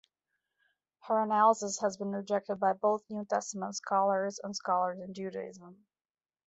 Her analysis has been rejected by both New Testament scholars and scholars in Judaism.